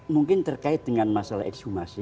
mungkin terkait dengan masalah ekshumasi